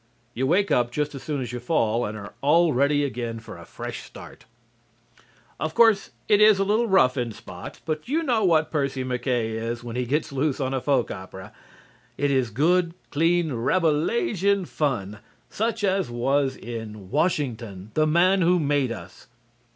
(You wake up just as soon as you fall and are all ready again for a fresh start.) Of course it is a little rough in spots, but you know what Percy MacKaye is when he gets loose on a folk opera. It is good, clean Rabelaisian fun, such as was in "Washington, the Man Who Made Us."